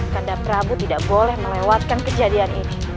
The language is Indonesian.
karena prabu tidak boleh melewatkan kejadian ini